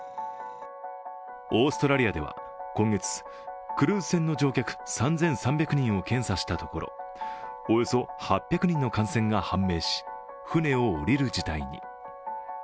オーストラリアでは今月クルーズ船の乗客３３００人を検査したところ、およそ８００人の感染が判明し船を下りる事態に。